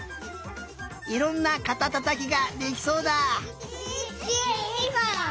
いろんなかたたたきができそうだ。